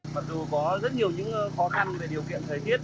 mặc dù có rất nhiều những khó khăn về điều kiện thời tiết